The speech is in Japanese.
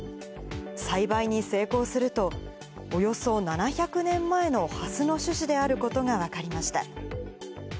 栽培に成功すると、およそ７００年前のハスの種子であることが分かりました。